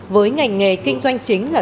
với ngành nghề kinh doanh chính là